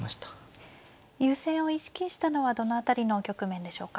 優勢を意識したのはどの辺りの局面でしょうか。